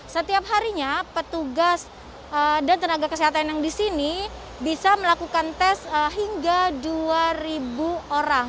setiap harinya petugas dan tenaga kesehatan yang di sini bisa melakukan tes hingga dua orang